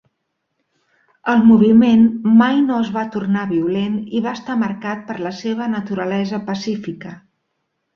El moviment mai no es va tornar violent i va estar marcat per la seva naturalesa pacífica.